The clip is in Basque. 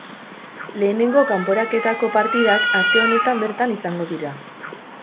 Lehenengo kanporaketako partidak aste honetan bertan izango dira.